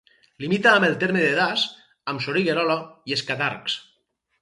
Limita amb el terme de Das, amb Soriguerola i Escadarcs.